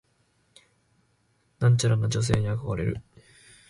聡明な女性に憧れる